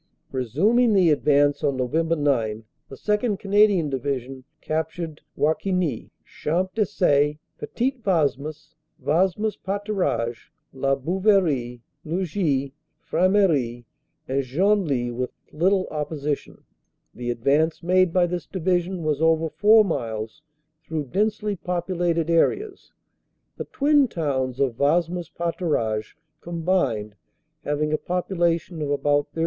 "Resuming the advance on Nov. 9, the 2nd. Canadian Division captured Warquignies, Champ des Sait, Petit Wasmes, Wasmes Paturages, La Bouverie, Lugies, Frameries, and Genly with little opposition. The advance made by this Division was over four miles through densely populated areas, the twin towns of Wasmes Paturages combined having a population of about 30,000.